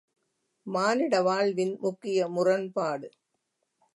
மானிட வாழ்வின் முக்கிய முரண்பாடு...